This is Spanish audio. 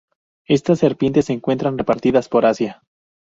Estas serpientes se encuentran repartidas por Asia.